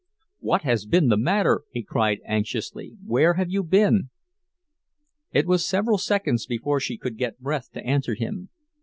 "What has been the matter?" he cried, anxiously. "Where have you been?" It was several seconds before she could get breath to answer him.